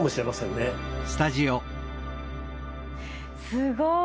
すごい。